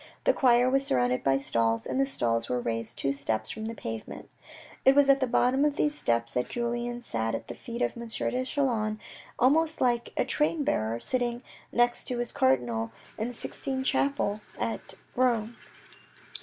The choir was surrounded by stalls, and the stalls were raised two steps from the pavement. It was at the bottom of these steps that Julien sat at the feet of M. de Chelan almost like a train bearer sitting next to his cardinal in the Sixtine chapel at Rome.